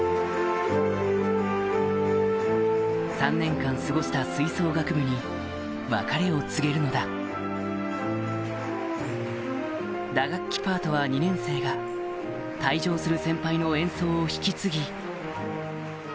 ３年間過ごした吹奏楽部に別れを告げるのだ打楽器パートは２年生が退場する先輩の演奏を引き継ぎ